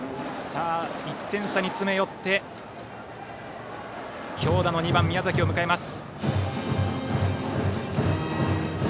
さあ、１点差に詰め寄って強打の２番、宮崎を迎えます。